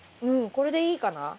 うんこれでいいかな。